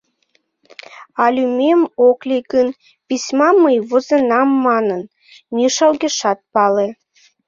А лӱмем ок лий гын, письмам мый возенам манын, Миша огешат пале...